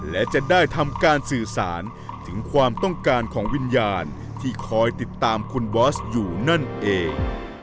และจะได้ทำการสื่อสารถึงความต้องการของวิญญาณที่คอยติดตามคุณบอสอยู่นั่นเอง